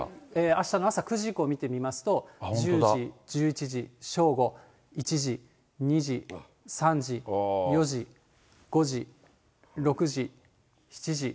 あしたの朝５時以降見てみますと、１０時、１１時、正午、１時、２時、３時、４時、５時、６時、７時、８時、９時。